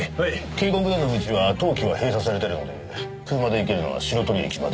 渓谷への道は冬季は閉鎖されてるので車で行けるのは白鳥駅まで。